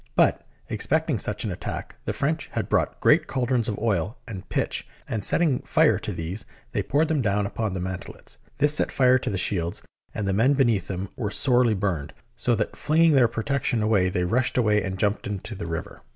But, expecting such an attack, the French had brought great caldrons of oil and pitch, and setting fire to these, they poured them down upon the mantelets. This set fire to the shields and the men beneath them were sorely burned, so that flinging their protection away, they rushed away and jumped into the river.